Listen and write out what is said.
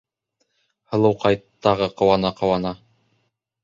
Һылыуҡай тағы ҡыуана-ҡыуана: